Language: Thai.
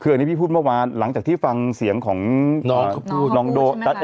คืออันนี้พี่พูดเมื่อวานหลังจากที่ฟังเสียงของน้องเขาพูดน้องเขาพูดใช่ไหมครับ